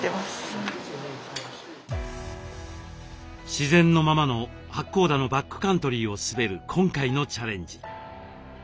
自然のままの八甲田のバックカントリーを滑る今回のチャレンジ。